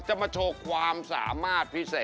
จะมาโชว์ความสามารถพิเศษ